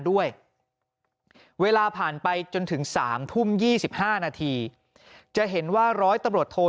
ด้วยเวลาผ่านไปจนถึง๓ทุ่ม๒๕นาทีจะเห็นว่าร้อยตำรวจโท